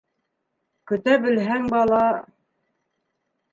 Көтә белһәң бала